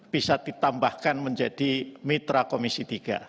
bisa ditambahkan menjadi mitra komisi tiga